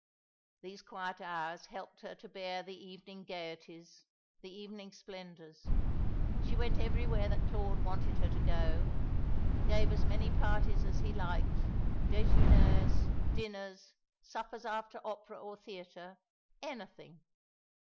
These quiet hours helped her to bear the evening gaieties, the evening splendours. She went everywhere that Claude wanted her to go, gave as many parties as he liked, déjeuners, dinners, suppers after opera or theatre, anything.